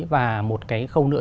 và một cái khâu nữa